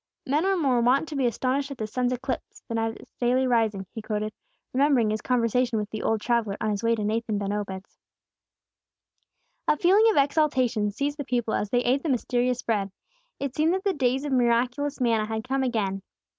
'Men are more wont to be astonished at the sun's eclipse, than at its daily rising,'" he quoted, remembering his conversation with the old traveller, on his way to Nathan ben Obed's. A feeling of exaltation seized the people as they ate the mysterious bread; it seemed that the days of miraculous manna had come again.